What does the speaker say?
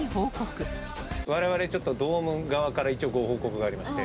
我々ちょっとドーム側から一応ご報告がありまして。